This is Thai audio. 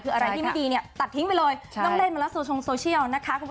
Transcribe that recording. คืออะไรที่ไม่ดีเนี่ยตัดทิ้งไปเลย